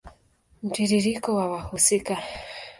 Mtiririko wa wahusika